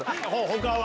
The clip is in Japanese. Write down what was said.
他は？